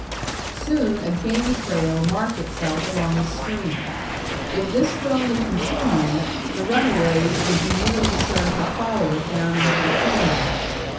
Soon a game trail marked itself along the stream. If this would only continue, the runaways would be nearly sure to follow it down into the canyon.